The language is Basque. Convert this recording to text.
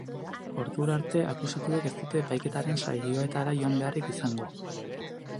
Ordura arte, akusatuek ez dute epaiketaren saioetara joan beharrik izango.